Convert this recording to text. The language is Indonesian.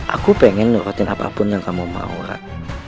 aku pengen ngerotin apapun yang kamu mau rat